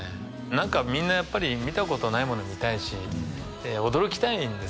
何かみんなやっぱり見たことないもの見たいし驚きたいんですよね